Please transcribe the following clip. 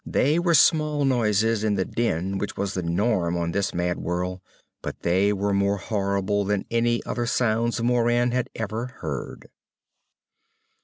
They were small noises in the din which was the norm on this mad world, but they were more horrible than any other sounds Moran had ever heard.